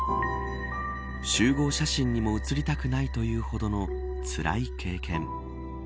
集合写真にも写りたくないというほどのつらい経験。